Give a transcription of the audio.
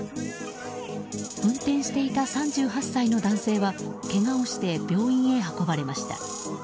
運転していた３８歳の男性はけがをして病院に運ばれました。